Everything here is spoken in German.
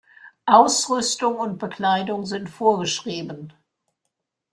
Ausrüstung und Bekleidung sind vorgeschrieben.